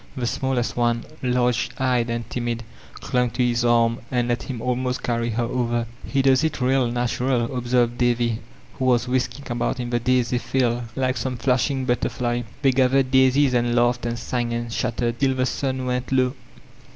The small est one, large eyed and timid, clung to hb arm and let him almost carry her over. "He does it real natural," observed Davy, who was The TtiUMPH of Youth 461 whisldng about in the daisy field like some flashing but terfly. They gathered daisies and laughed and sang and chat tered till the sun went low.